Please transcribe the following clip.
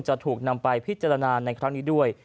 จะถูกนำไปพิจารณาในครั้งนี้ด้วย